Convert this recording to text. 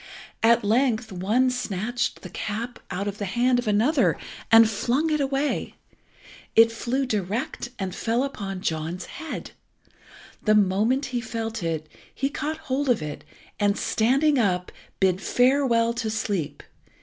At length one snatched the cap out of the hand of another and flung it away. It flew direct, and fell upon John's head. The moment he felt it he caught hold of it, and, standing up, bid farewell to sleep.